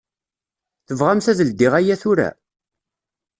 Tebɣamt ad ldiɣ aya tura?